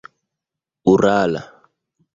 urala